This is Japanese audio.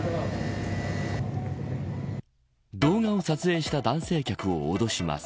動画を撮影した男性客をおどします。